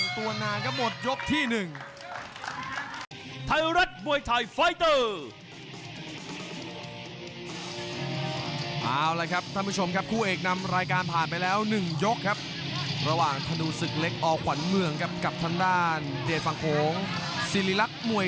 ไทยรัฐมวยไทยไฟเตอร์